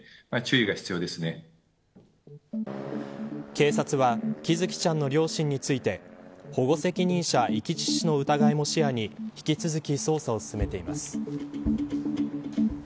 警察は喜寿生ちゃんの両親について保護責任者遺棄致死の疑いも視野に引き続き捜査を進めています。